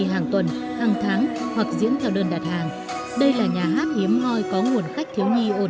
hàng tuần hàng tháng hoặc diễn theo đơn đặt hàng đây là nhà hát hiếm hoi có nguồn khách thiếu nhi ổn